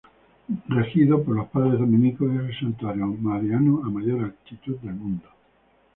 Regido por los padres dominicos, es el santuario mariano a mayor altitud del mundo.